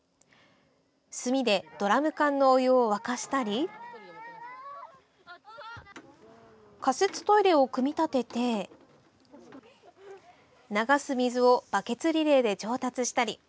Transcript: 炭でドラム缶のお湯を沸かしたり仮設トイレを組み立てて流す水をバケツリレーで調達したり。